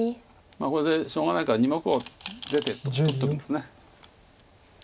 これでしょうがないから２目を出て取っとくんです。